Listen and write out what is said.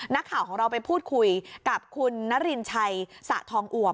นักข่าวของเราไปพูดคุยกับคุณนรินชัยสะทองอวบ